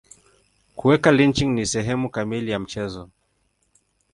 Kuweka lynching ni sehemu kamili ya mchezo.